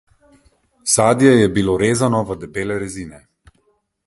Sadje je bilo rezano v debele rezine.